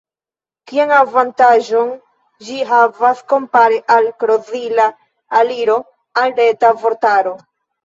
Kian avantaĝon ĝi havas kompare al krozila aliro al Reta Vortaro?